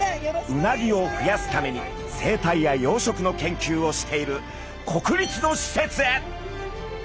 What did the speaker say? うなぎを増やすために生態や養殖の研究をしている国立のしせつへ！